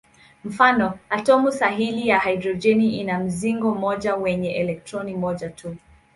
Mfano: atomu sahili ya hidrojeni ina mzingo mmoja wenye elektroni moja tu.